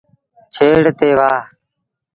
ڇيڙ تي وهآ۔